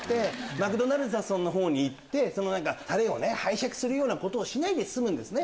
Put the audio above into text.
マクドナルドさんに行ってタレを拝借するようなことをしないで済むんですね。